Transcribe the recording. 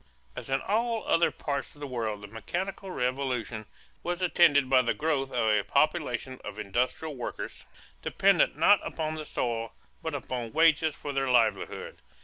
As in all other parts of the world, the mechanical revolution was attended by the growth of a population of industrial workers dependent not upon the soil but upon wages for their livelihood.